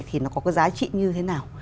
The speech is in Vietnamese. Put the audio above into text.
thì nó có giá trị như thế nào